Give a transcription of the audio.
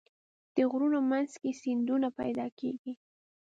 د غرونو منځ کې سیندونه پیدا کېږي.